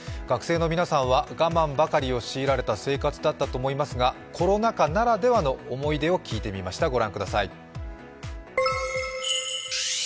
学生の皆さんは我慢ばかりを強いられた生活だったと思いますがコロナ禍ならではの思い出を聞いてみました。